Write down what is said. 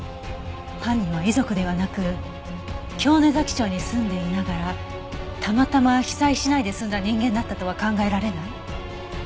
犯人は遺族ではなく京根崎町に住んでいながらたまたま被災しないで済んだ人間だったとは考えられない？